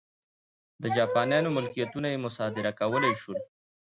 د جاپانیانو ملکیتونه یې مصادره کولای شول.